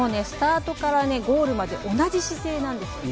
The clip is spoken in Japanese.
スタートからゴールまで同じ姿勢なんです。